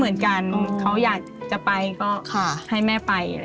ลูกขาดแม่